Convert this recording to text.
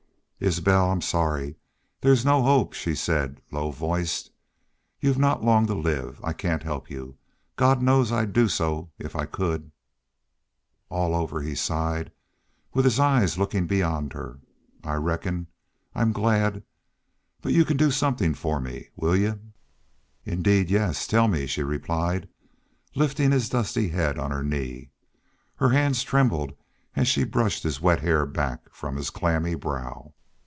"Isbel, I'm sorry there's no hope," she said, low voiced. "Y'u've not long to live. I cain't help y'u. God knows I'd do so if I could." "All over!" he sighed, with his eyes looking beyond her. "I reckon I'm glad.... But y'u can do somethin' for or me. Will y'u?" "Indeed, Yes. Tell me," she replied, lifting his dusty head on her knee. Her hands trembled as she brushed his wet hair back from his clammy brow.